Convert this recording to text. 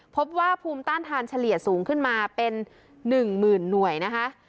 พบว่าภูมิต้านทานเฉลี่ยสูงขึ้นมาเป็น๑๐๐๐หน่วยนะคะ